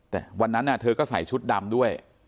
แต่วันนั้นเธอก็ใส่ชุดดำด้วย